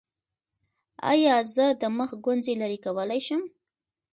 ایا زه د مخ ګونځې لرې کولی شم؟